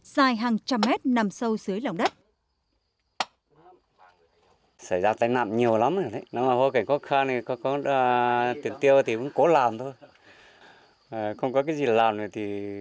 mai hàng trăm mét nằm sâu dưới lòng đất